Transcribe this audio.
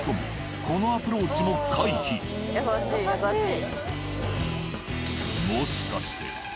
優しい優しい。